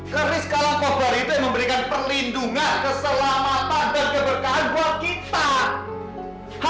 kris kalangkobar itu yang memberikan perlindungan keselamatan dan keberkahan buat kita